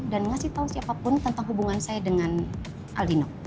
dan ngasih tau siapapun tentang hubungan saya dengan aldino